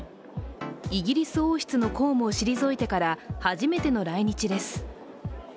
イギリス王室の公務を退いてから初めての来日です。